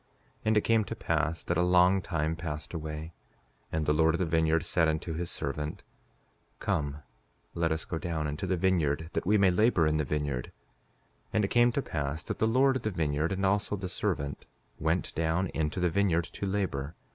5:15 And it came to pass that a long time passed away, and the Lord of the vineyard said unto his servant: Come, let us go down into the vineyard, that we may labor in the vineyard. 5:16 And it came to pass that the Lord of the vineyard, and also the servant, went down into the vineyard to labor.